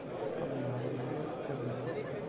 Ad d-neɛreḍ merra leḥbab-nneɣ.